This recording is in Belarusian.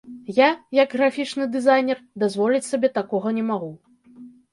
Я, як графічны дызайнер, дазволіць сабе такога не магу.